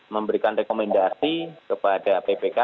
memberikan rekomendasi kepada ppk